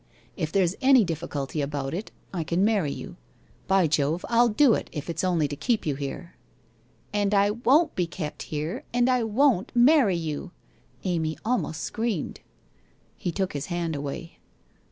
If there's any difficulty about it, I can marry you. By Jove, I'll do it, if it's only to keep you here.' ' And I won't be kept here, and I won't marry you/ Amy almost screamed. He took his hand away.